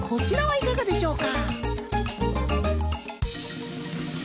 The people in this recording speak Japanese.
いかがでしょうか？